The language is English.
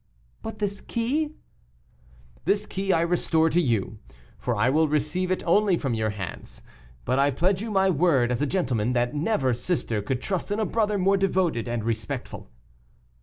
"But this key?" "This key I restore to you, for I will receive it only from your hands; but I pledge you my word as a gentleman, that never sister could trust in a brother more devoted and respectful."